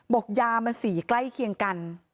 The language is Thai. ยามันสีใกล้เคียงกัน